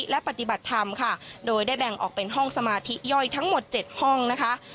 และปฏิบัติธรรมค่ะโดยได้แบ่งออกเป็นห้องสมาธิย่อยทั้งหมด๗ห้องนะคะ